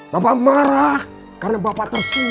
bapak marah karena bapak tersinggung